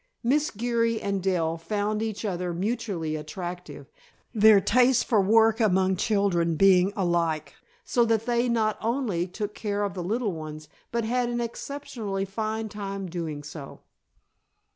Miss Geary and Dell found each other mutually attractive, their taste for work among children being alike, so that they not only took care of the little ones but had an exceptionally fine time doing so.